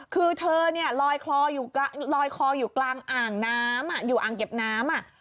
คือเธอเนี่ยลอยคออยู่กลางอ่างน้ำอยู่อ่างเก็บน้ำ